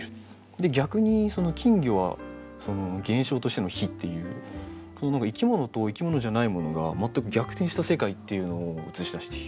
で逆に「金魚」は現象としての「火」っていう生き物と生き物じゃないものが全く逆転した世界っていうのを映し出している。